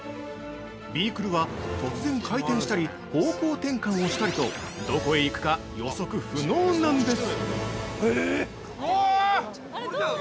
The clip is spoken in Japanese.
ビークルは突然回転したり方向転換をしたりとどこへ行くか予測不能なんです！